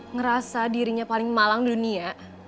ngerasa dirinya paling malang dunia